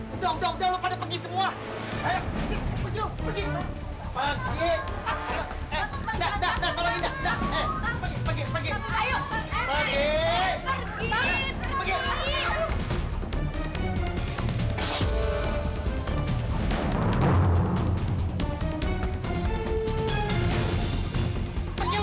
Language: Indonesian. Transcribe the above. udah udah udah lo pada pergi semua